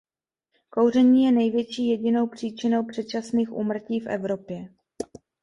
Kouření je největší jedinou příčinou předčasných úmrtí v Evropě.